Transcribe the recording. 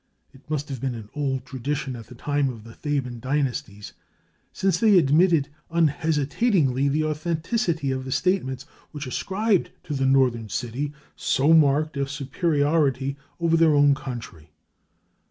It must have been an old tradition at the time of the Theban dynasties, since they admitted unhesitatingly the authenticity of the statements which ascribed to the northern city so marked a superiority over their own country.